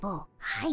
はい！